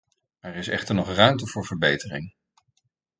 Er is echter nog ruimte voor verbetering.